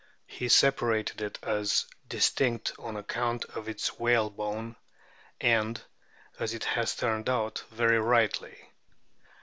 He separated it as distinct on account of its whalebone, and, as it has turned out, very rightly.